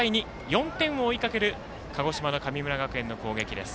４点を追いかける鹿児島の神村学園の攻撃です。